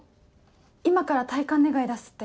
今から退官願出すって。